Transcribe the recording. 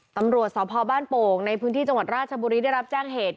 ตำรวจสพบ้านโป่งในพื้นที่จังหวัดราชบุรีได้รับแจ้งเหตุ